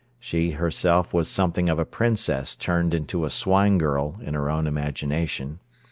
She herself was something of a princess turned into a swine girl in her own imagination.